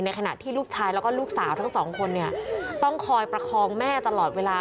ขณะที่ลูกชายแล้วก็ลูกสาวทั้งสองคนเนี่ยต้องคอยประคองแม่ตลอดเวลา